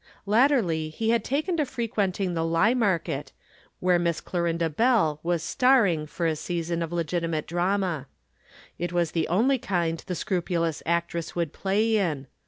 Latterly he had taken to frequenting the Lymarket, where Miss Clorinda Bell was "starring" for a season of legitimate drama. It was the only kind the scrupulous actress would play in.